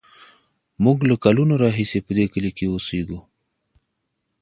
موږ له کلونو راهیسې په دې کلي کې اوسېږو.